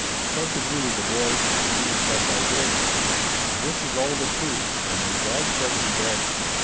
So,' concluded the boy, 'even thus I did! And this is all the truth, or may God strike me dead!